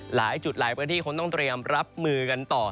หลายจุดหลายพื้นที่คงต้องเตรียมรับมือกันต่อ